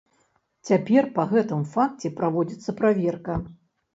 Цяпер па гэтым факце праводзіцца праверка.